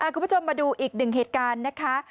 คุณผู้ชมมาดูอีกหนึ่งเหตุการณ์นะคะ